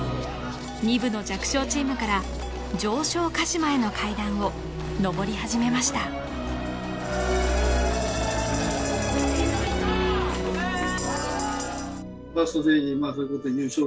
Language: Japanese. ２部の弱小チームから常勝鹿島への階段を上り始めましたファーストステージ